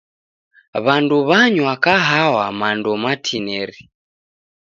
W'andu w'anywa kahawa mando matineri.